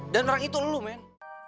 dan orang itu lo men